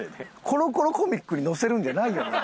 『コロコロコミック』に載せるんじゃないよな？